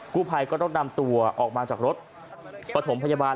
ผู้ภัยก็ต้องนำตัวออกมาจากรถปฐมพยาบาล